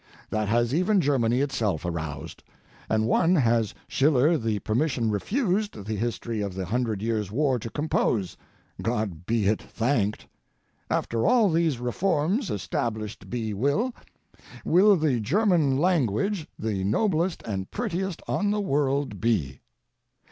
That has even Germany itself aroused, and one has Schiller the permission refused the History of the Hundred Years' War to compose—God be it thanked! After all these reforms established be will, will the German language the noblest and the prettiest on the world be.